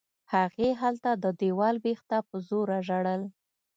هغې هلته د دېوال بېخ ته په زوره ژړل.